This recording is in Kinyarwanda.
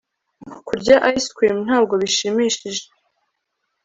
kurya ice cream ntabwo bishimishije